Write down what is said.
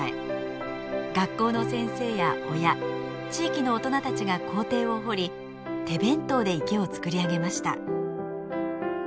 学校の先生や親地域の大人たちが校庭を掘り手弁当で池を造り上げました。